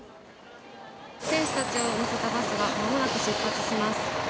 選手たちを乗せたバスがまもなく出発します。